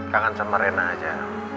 kangen sama rena aja